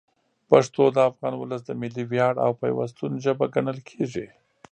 پښتو د افغان ولس د ملي ویاړ او پیوستون ژبه ګڼل کېږي.